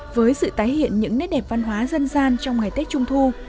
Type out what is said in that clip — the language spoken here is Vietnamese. với sự tái hiện những nét đẹp văn hóa dân gian trong ngày tết trung thu